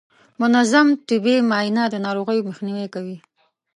منظم طبي معاینه د ناروغیو مخنیوی کوي.